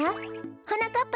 はなかっ